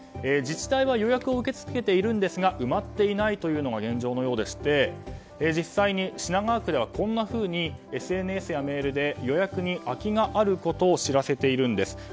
自治体は予約を受け付けているんですが埋まっていないというのが現状のようでして実際に品川区ではこんなふうにＳＮＳやメールで予約に空きがあることを知らせているんです。